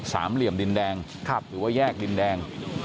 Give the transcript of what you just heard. เหลี่ยมดินแดงหรือว่าแยกดินแดง